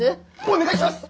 お願いします！